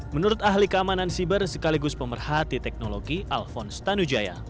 menurut ahli keamanan siber sekaligus pemerhati teknologi alphonse tanujaya